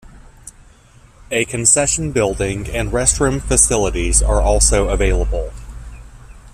A concession building and restroom facilities are also available.